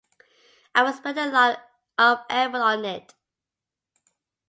I've expended a lot of effort on it.